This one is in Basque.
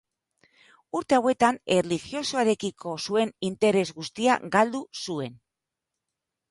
Urte hauetan erlijiosoarekiko zuen interes guztia galdu zuen.